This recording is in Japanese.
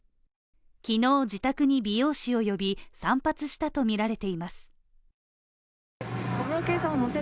昨日自宅に美容師を呼び、散髪したとみられています。